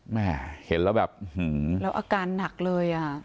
แม่เห็นแล้วแบบแล้วอาการหนักเลยอ่ะ